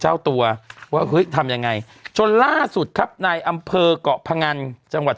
เจ้าตัวว่าเฮ้ยทำยังไงจนล่าสุดครับนายอำเภอกเกาะพงันจังหวัด